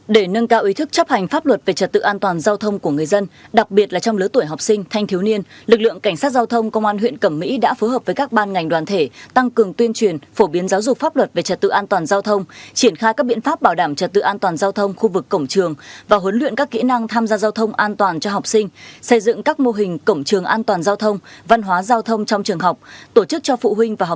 để nâng cao ý thức chấp hành pháp luật về trật tự an toàn giao thông của người dân đặc biệt là trong lứa tuổi học sinh thanh thiếu niên lực lượng cảnh sát giao thông công an huyện cẩm mỹ đã phối hợp với các ban ngành đoàn thể tăng cường tuyên truyền phổ biến giáo dục pháp luật về trật tự an toàn giao thông triển khai các biện pháp bảo đảm trật tự an toàn giao thông khu vực cổng trường và huấn luyện các kỹ năng tham gia giao thông an toàn cho học sinh xây dựng các mô hình cổng trường an toàn giao thông văn hóa giao th